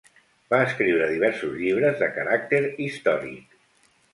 Va escriure diversos llibres de caràcter històric.